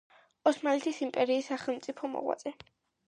ოსმალეთის იმპერიის სახელმწიფო მოღვაწე.